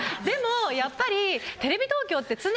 でもやっぱりテレビ東京って。